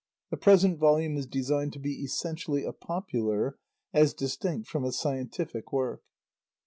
The present volume is designed to be essentially a popular, as distinct from a scientific work.